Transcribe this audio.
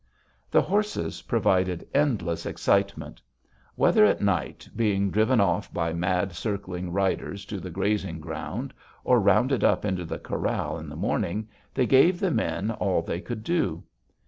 The horses provided endless excitement. Whether at night being driven off by madly circling riders to the grazing ground or rounded up into the corral in the morning, they gave the men all they could do.